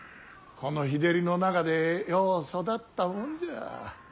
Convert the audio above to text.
この日照りの中でよう育ったもんじゃ。